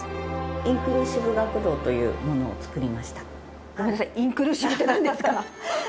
インクルーシブ学童というもごめんなさい、インクルーシブってなんですか？